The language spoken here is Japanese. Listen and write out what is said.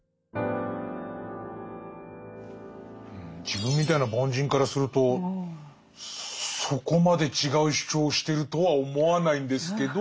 自分みたいな凡人からするとそこまで違う主張をしてるとは思わないんですけど。